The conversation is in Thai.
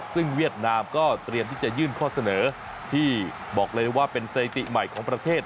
ซึ่งเวียดนามก็เตรียมที่จะยื่นข้อเสนอที่บอกเลยว่าเป็นสถิติใหม่ของประเทศ